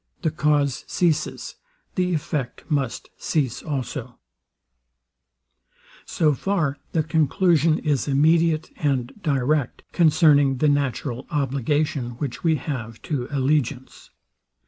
The cause ceases; the effect must cease also. So far the conclusion is immediate and direct, concerning the natural obligation which we have to allegiance.